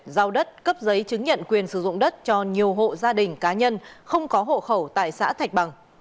giao đất cấp giấy chứng nhận quyền sử dụng đất cho nhiều hộ gia đình cá nhân không có hộ khẩu tại xã thạch bằng